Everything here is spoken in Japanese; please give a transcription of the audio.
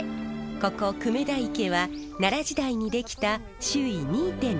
ここ久米田池は奈良時代に出来た周囲２．６キロ